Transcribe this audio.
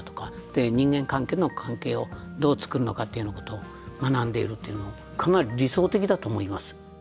人間関係をどう作るのかっていうようなことを学んでいるっていうのかなり理想的だと思います。